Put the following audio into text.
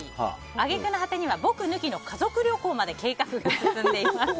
揚げ句の果てには僕抜きの家族旅行まで計画が進んでいます。